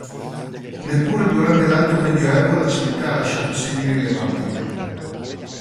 Neppure durante l'alto medioevo la civiltà ha lasciato segni rilevanti.